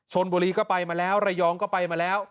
ชนบุรีก็ไปมาแล้วระยองก็ไปมาแล้ว